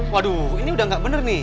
waduh ini udah nggak bener nih